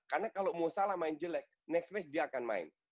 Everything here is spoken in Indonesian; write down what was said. karena kalau mau salah main jelek next match dia akan main